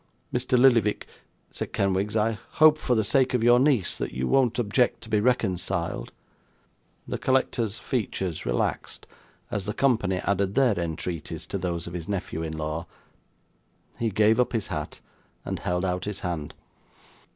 'Mr. Lillyvick,' said Kenwigs, 'I hope, for the sake of your niece, that you won't object to be reconciled.' The collector's features relaxed, as the company added their entreaties to those of his nephew in law. He gave up his hat, and held out his hand.